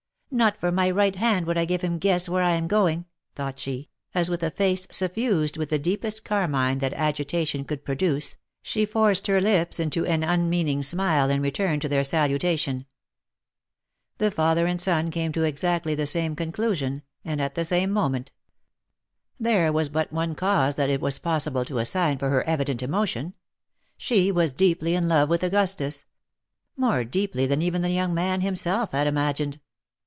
Not for my right hand would I have him guess where I am going," OF MICHAEL ARMSTRONG. 125 thought she, as with a face suffused with the deepest carmine that agitation could produce, she forced her lips into an unmeaning smile in return to their salutation. The father and son came to exactly the same conclusion, and at the same moment. There was but one cause that it was possible to assign for her evident emotion. She was deeply in love with Augustus, — more deeply than even the young man himself had imagined.